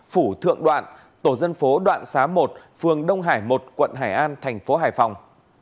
phủ thượng đoạn tổ dân phố đoạn xá một phường đông hải một quận hải an thành phố hải phòng